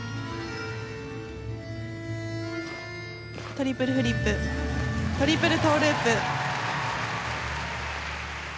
トリプルフリップトリプルトーループ。